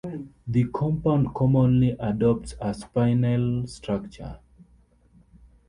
The compound commonly adopts a spinel structure.